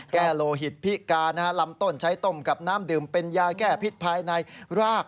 โลหิตพิการลำต้นใช้ต้มกับน้ำดื่มเป็นยาแก้พิษภายในราก